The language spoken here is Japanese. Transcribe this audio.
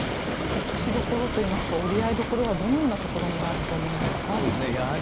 落としどころといいますか折り合いどころはどのようなところになると思いますか？